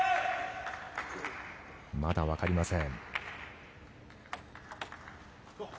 まだわかりません。